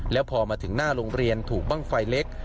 แล้วพอมาถึงหน้าโรงเรียนถูกบ้างไฟเล็ก